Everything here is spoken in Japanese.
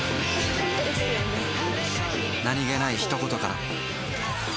何気ない一言から